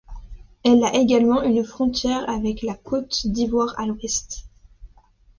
Elle a également une frontière avec la Côte d'Ivoire, à l'ouest.